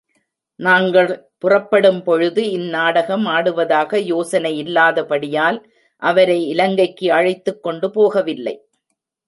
நாங்கள் புறப்படும் பொழுது இந்நாடகம் ஆடுவதாக யோசனையில்லாதபடியால், அவரை இலங்கைக்கு அழைத்துக் கொண்டு போகவில்லை.